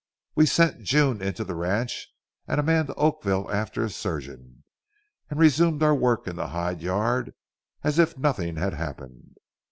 We sent June into the ranch and a man to Oakville after a surgeon, and resumed our work in the hide yard as if nothing had happened.